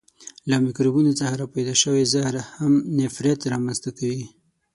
له میکروبونو څخه را پیدا شوی زهر هم نفریت را منځ ته کوي.